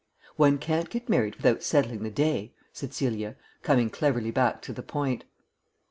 "One can't get married without settling the day," said Celia, coming cleverly back to the point.